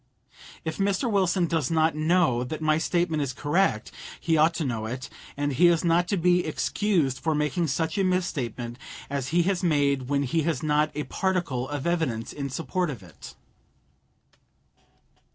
If Mr. Wilson does not know that my statement is correct, he ought to know it, and he is not to be excused for making such a misstatement as he has made when he has not a particle of evidence in support of it.